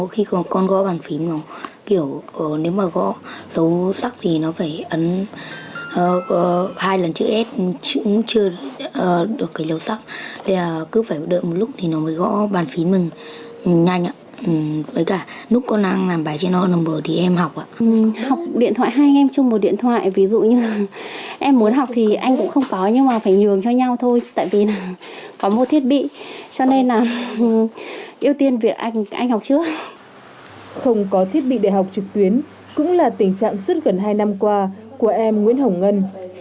không có thiết bị để học trực tuyến cũng là tình trạng suốt gần hai năm qua của em nguyễn hồng ngân